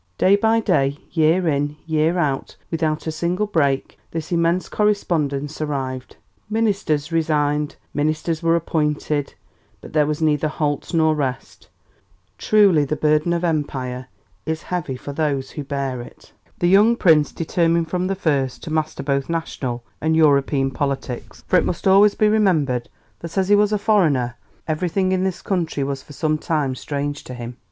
Day by day, year in, year out, without a single break, this immense correspondence arrived. Ministers resigned and ministers were appointed, but there was neither halt nor rest. Truly 'the burden of Empire' is heavy for those who bear it. The young Prince determined from the first to master both national and European politics, for it must always be remembered that as he was a foreigner everything in this country was for some time strange to him.